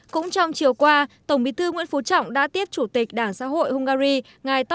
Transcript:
cũng trong chiều qua tổng bí thư nguyễn phú trọng đã tiếp chủ tịch đảng xã hội hungary ngài